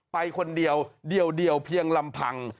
ไปคนเดียวเดียวเพียงลำพัง